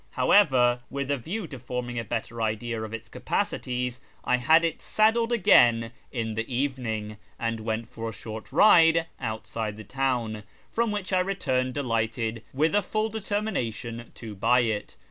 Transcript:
However, with a view to forming a better idea of its capacities, I had it saddled again in the evening and went for a short ride outside the town, from which I returned delighted, with a full determination to buy it.